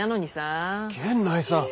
源内さん！